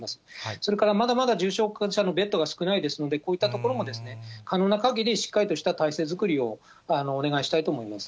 それからまだまだ重症者のベッドが少ないですので、こういったところも可能なかぎり、しっかりとした体制作りをお願いしたいと思います。